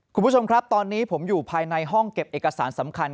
คุณผู้ชมครับตอนนี้ผมอยู่ภายในห้องเก็บเอกสารสำคัญ